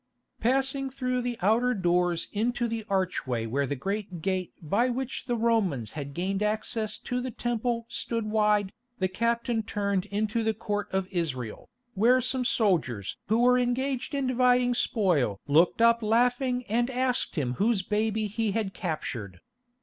Passing through the outer doors into the archway where the great gate by which the Romans had gained access to the Temple stood wide, the captain turned into the Court of Israel, where some soldiers who were engaged in dividing spoil looked up laughing and asked him whose baby he had captured.